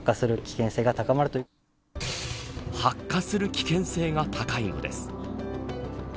発火する危険性が高いのです。